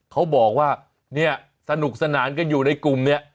เขาบอกว่าเนี่ยสนุกสนานกันอยู่ในกลุ่มเนี่ย